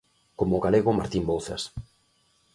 Como o galego Martín Bouzas.